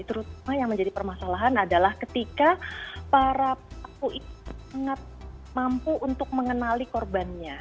terutama yang menjadi permasalahan adalah ketika para pelaku itu sangat mampu untuk mengenali korbannya